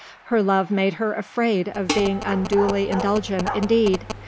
Her love made her afraid of being unduly indulgent, indeed.